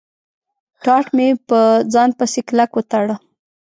ټاټ مې په ځان پسې کلک و تاړه.